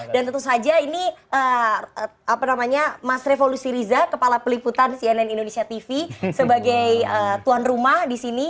dan tentu saja ini mas revolusi riza kepala peliputan cnn indonesia tv sebagai tuan rumah disini